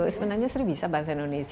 sebenarnya seri bisa bahasa indonesia